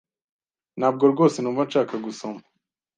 Ntabwo rwose numva nshaka gusoma.